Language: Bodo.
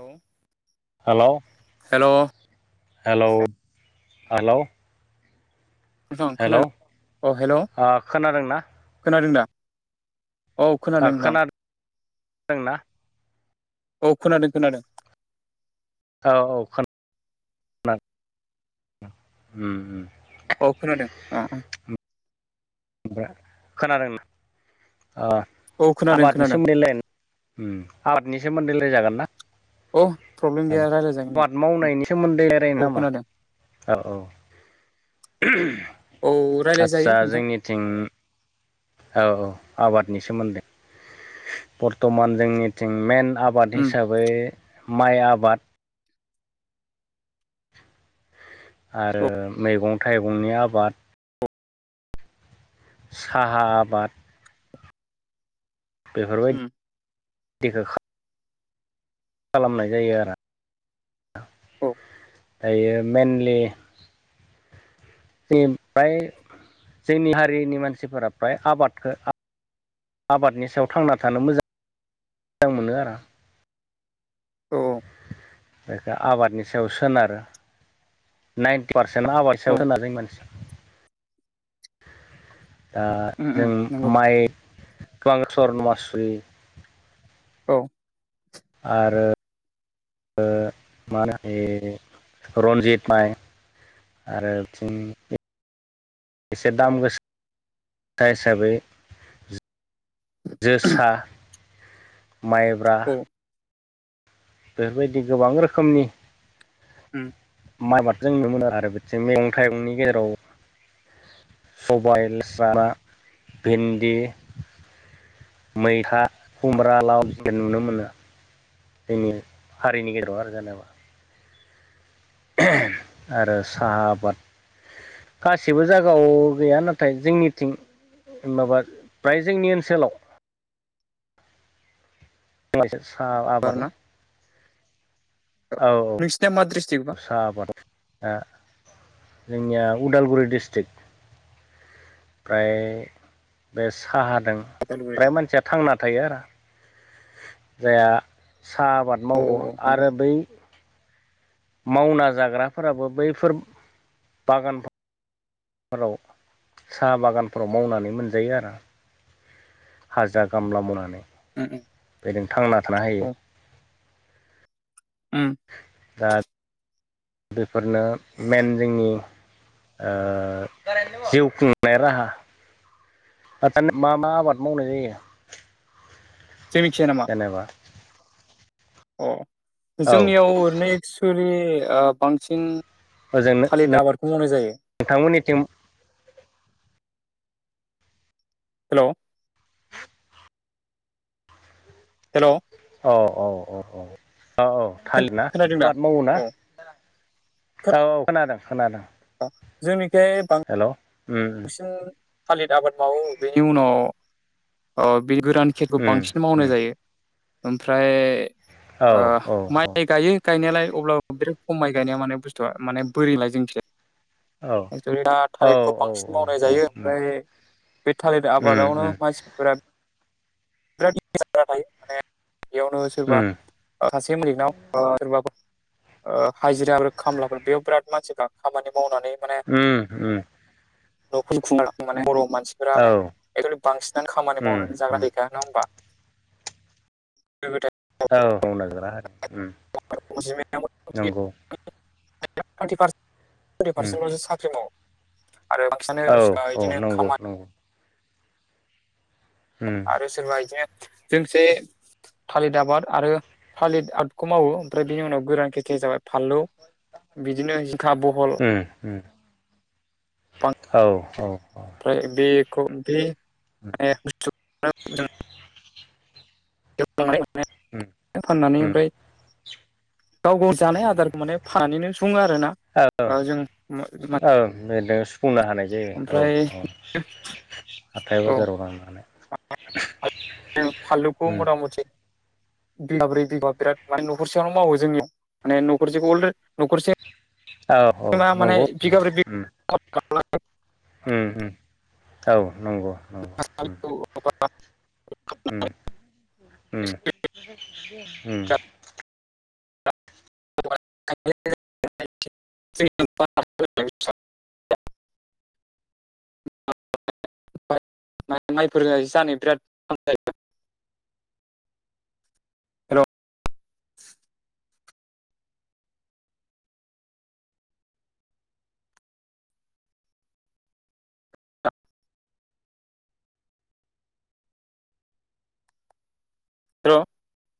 औे। हेल' हेल' हेल' नोंथां खोनादों अ' हेल' ओ खोनादोंना खोनादों दा। औ ओ‌ खोनादों नोंथां खोनादों ना। औ खोनादों खोनादों। औ औ खोना उम - उम। औ खोनादों आ ओमफ्राय खोनादोंना ओ औ खोनादों आबादनि खोनादों सोमोन्दैलाय उम आबादनि सोमोन्दै रायलाय जागोन ना। औ प्रब्लेम गैया रायज्लायजागोन आबाद दे मावनायनि सोमोन्दै रायलायनो औ नामा। खोनादों औ - औ औ रायज्लाय जायो आदसा नोंथां जोंनिथिं औ - औ आबादनि सोमोन्दै। बर्थमान जोंनिथिं मेन आबाद हिसाबै माइ आबाद आरो औ मैगं - थाइगंनि आबाद। साहा आबाद। बेफोरबायदिखौ खालामनाय जायो आरो औ दायो मेनइलि [unintelligible] फ्राय जोंनि हारिनि मानसिफोरा फ्राय आबादखौ आबादनि सायाव थांना थानो मोजां मोजां मोनो आरो। औ - औ। बेखौ आबादनि सायाव सोनारो नाइनटि पारसेन्ट आबाद औ सायाव [unintelligible] मानसिया दा जों नंगौ माइ गोबां सर्नमासुरि औ। आरो ओ मा होनो रन्जित माइ आरो बेथिं एसे दाम गोसासा हिसाबै जोसा माइब्रा औ बेफोरबायदि गोबां रोखोमनि उम माइआबाद जों नु मोनो आरो बिथिं मैगं थाइगंनि गेजेराव सबाय लेसारा भिन्दि मैथा खुमब्रा लाव नुनो मोनो जोंनि हारिनि गेजेराव आरो जेनेबा आरो साहा आबाद गासिबो जायगायाव गैया नाथाय जोंनिथिं माबा फ्राय जोंनि ओनसोलाव [unintelligible] साहा आबाद बारना औ औ नोंसोर ना मा दिस्थ्रिक्ट बा साहा आबाद जोंनिया उदालगुरि डिस्ट्रिक्ट ओमफ्राय बे साहादों उदालगुरि फ्राय औ मानसिया थांना थायो आरो जायहा साहा आबाद औ मावो औ नंगौ आरो बै मावना जाग्राफोराबो बैफोर बागानफोर फोराव साहा बागानफोराव मावनानै मोनजायो आरो हाजिरा गामला मावनानै उम बेजों थांना थानो हायो ओम दा बेफोरनो मेन जोंनि जिउ खुंनाय राहा आरो मा मा आबाद मावनाय जायो जोंनिथिं नामा जेनेबा अ औ जोंनियाव ओरैनो एक्सुेलि बांसिन ओजोंनो थालिर आबादखौ मावनाय जायो नोंथांमोननिथिं हेल' हेल' औ औ औ औ औ औ थालिर ना खोनादों दा आबाद मावो ना औ औ औ खोनादों खोनादों जोंनिखै बां हेल' उम थालिर आबाद मावो बेनि उनाव गोरान खटखौ उम बांसिन मावनाय उम जायो ओमफ्राय औ औ माइ गायो गायनायालाय अब्लाबो बिराद खम माय गायनाया माने बुस्थुआ माने बोरैलाय जोंनिथिं जाय [unintelligible] औ थालिरखौ बांसिन औ मावनाय औ जायो उम ओमफ्राय बे थालिर उम उम आबादावनो मानसिफोरा बिराद थायो माने बेयावनो सोरबा उम सासे मालिगनाव सोरबा हाजिरा आरो खामलाफोर बेयाव बिराद मानसिफ्रा खामानि मावनानै माने उम उम नखर खुंनो माने बर मानसिफोरा औ माने बांसिनानो खामानि उम मावनानै जाग उम दा नङा होनबा गोदो‌ औ ओम [inaudible] उम आरो बांसिनानो औ मानसिफोरा औ बिदिनो नंगौ खामानि नंगौ उम आरो सोरबा इदिनो जोंसो थालिर आबाद आरो थालिर आबादखौ मावो ओमफ्राय बेनि उनाव गोरान खेथिया जाबाय फालौ बिदिनो जिंखा बहल उम उम औ औ औ ओमफ्राय बेखौ बे [unintelligible] फाननानै उम ओमफ्राय गाव गाव जानाय आदारखौ माने फानैनो सुङो आरो ना औ ओं [unintelligible] बुंनो हानाय जायो औ ओमफ्राय औ आथाय बाजाराव लांनानै [unintelligible] फालुखौ उम मरा मथि बिगाब्रै बिगाबा बिराद माने न'खरसेयावनो मावो जोंनियाव माने न'खरसेखौ अलरे न'खरसे औ औ मा माने नंगौ बिगाब्रै उम [unintelligible] उम उम औ नंगौ नंगौ उम उम उम उम [unintelligible] [unintelligible] माइफोर जानो बिराद [unintelligible] हेल' [unintelligible]